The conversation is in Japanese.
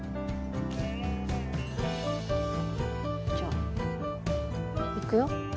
じゃあ行くよ。